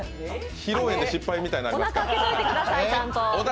披露宴で失敗みたいになりますから。